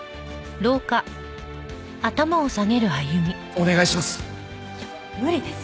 お願いします。